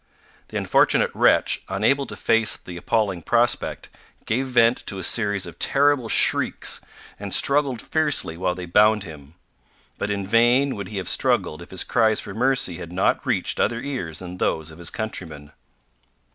The unfortunate wretch, unable to face the appalling prospect gave vent to a series of terrible shrieks, and struggled fiercely while they bound him. But in vain would he have struggled if his cries for mercy had not reached other ears than those of his countrymen.